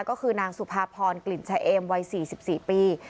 ก็คือนางสุภาพรกลิ่นชะเอมวัย๔๔ปี